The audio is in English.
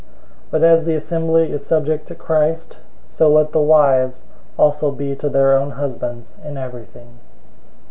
005:024 But as the assembly is subject to Christ, so let the wives also be to their own husbands in everything.